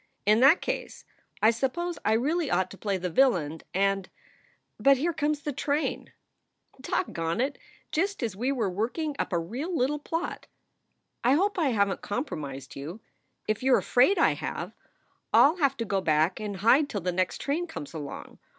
"In that case I suppose I really ought to play the villain and But here comes the train. Dog on it! just as we were working up a real little plot. I hope I haven t compromised you. If you re afraid I have, I ll have to go back and hide till the next train comes along.